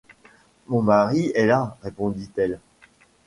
Mon mari est là, répondit-elle.